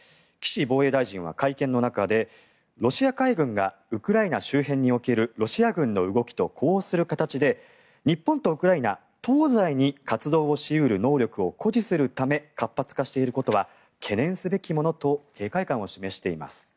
岸防衛大臣は会見の中でロシア海軍がウクライナ周辺におけるロシア軍の動きと呼応する形で日本とウクライナ東西に活動をし得る能力を誇示するため活発化していることは懸念すべきものと警戒感を示しています。